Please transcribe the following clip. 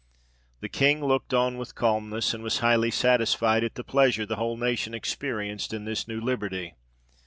The King looked on with calmness, and was highly satisfied at the pleasure the whole nation experienced in this new liberty.